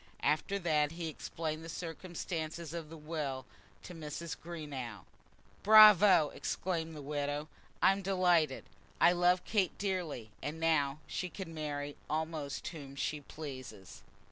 After that he explained the circumstances of the will to Mrs. Greenow. "Bravo," exclaimed the widow. "I'm delighted. I love Kate dearly: and now she can marry almost whom she pleases."